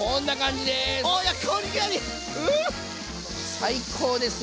最高ですよ。